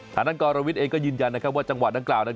ทางด้านกรวิทย์เองก็ยืนยันว่าจังหวะดังกล่าวนั้น